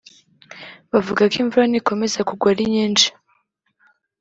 bavuga ko imvura nikomeza kugwa ari nyinshi